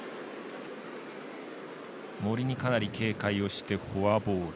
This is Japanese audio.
森にかなり警戒をしてフォアボール。